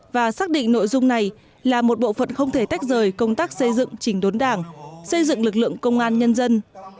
và xác định nội dung này là một bộ phận không thể tách rời công tác xây dựng chỉnh đốn đảng xây dựng lực lượng công an nhân dân